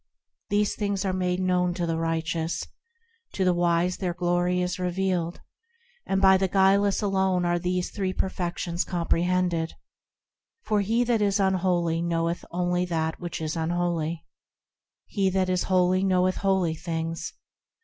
These things are made known to the righteous, To the wise their glory is revealed, And by the guileless alone are these three Perfections comprehended ; For he that is unholy knoweth only that which is unholy ; He that is holy knoweth holy things.